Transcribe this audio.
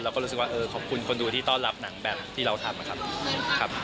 เราก็รู้สึกว่าขอบคุณคนดูที่ต้อนรับหนังแบบที่เราทำ